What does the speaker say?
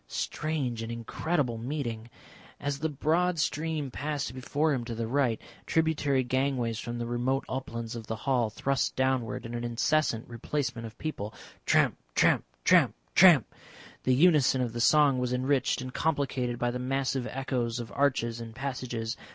Strange and incredible meeting! As the broad stream passed before him to the right, tributary gangways from the remote uplands of the hall thrust downward in an incessant replacement of people; tramp, tramp, tramp, tramp. The unison of the song was enriched and complicated by the massive echoes of arches and passages.